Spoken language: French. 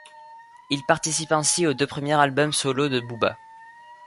Il participe ainsi aux deux premiers albums solo de Booba.